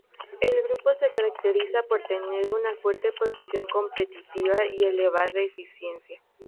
El grupo se caracteriza por tener una fuerte posición competitiva y elevada eficiencia.